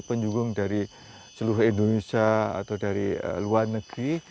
penyugung dari seluruh indonesia atau dari luar negeri